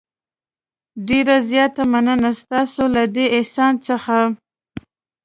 ډېره زیاته مننه ستاسې له دې احسان څخه.